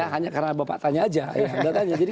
hanya karena bapak tanya aja